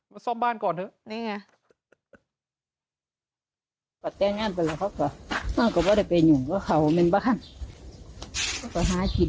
มาซ่อมบ้านก่อนเถอะ